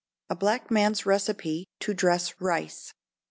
A Black Man's Recipe to Dress Rice.